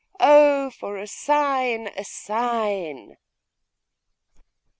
Oh for a sign, a sign!